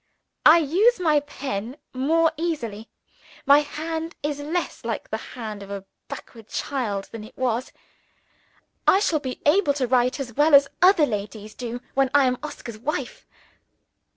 I use my pen more easily; my hand is less like the hand of a backward child than it was. I shall be able to write as well as other ladies do when I am Oscar's wife.